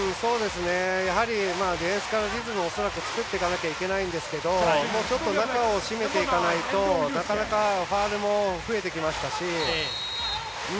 ディフェンスからリズムを恐らく作っていかないといけないんですけどちょっと中をしめていかないとなかなか、ファウルも増えてきましたし。